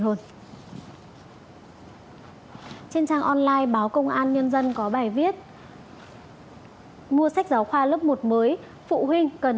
trên trang online báo công an nhân dân có bài viết mua sách giáo khoa lớp một mới phụ huynh cần